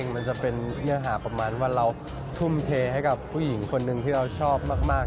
มันจะเป็นเนื้อหาประมาณว่าเราทุ่มเทให้กับผู้หญิงคนหนึ่งที่เราชอบมาก